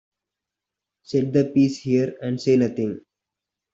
Set the piece here and say nothing.